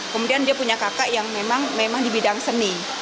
kemudian dia punya kakak yang memang di bidang seni